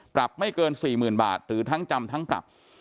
ปรับไม่เกิน๔๐๐๐บาทหรือทั้งจำทั้งปรับ